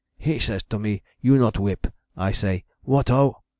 "He says to me, 'You not whip' I say, 'What ho!'